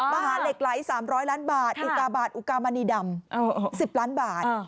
มหาเหล็กไหล๓๐๐ล้านบาทอุกาบาทอุกามณีดำ๑๐ล้านบาท